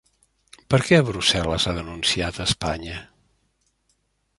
Per què Brussel·les ha denunciat Espanya?